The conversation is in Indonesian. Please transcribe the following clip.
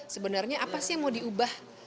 sebenarnya apa sih yang mau diubah